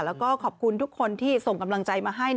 แล้วก็ขอบคุณทุกคนที่ส่งกำลังใจมาให้